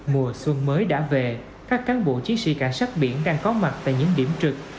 mùa xuân mới đã về các cán bộ chiến sĩ cảnh sát biển đang có mặt tại những điểm trực